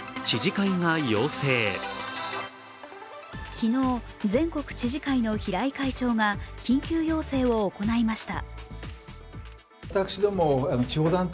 昨日、全国知事会の平井会長が緊急要請を行いました。